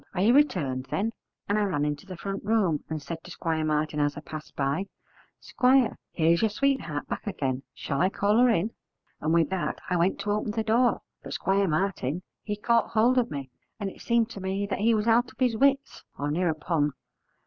are you returned, then?' and I ran into the front room, and said to Squire Martin as I passed by, 'Squire, here is your sweetheart back again: shall I call her in?' and with that I went to open the door; but Squire Martin he caught hold of me, and it seemed to me he was out of his wits, or near upon.